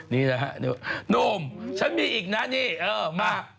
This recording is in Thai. นี่แหละฮะหนุ่มฉันมีอีกนะนี่เออมา